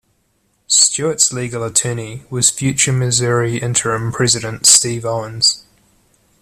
Stewart's legal attorney was future Missouri interim president Steve Owens.